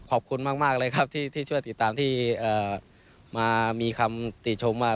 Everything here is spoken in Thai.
ขอบคุณมากเลยครับที่ช่วยติดตามที่มามีคำติชมว่า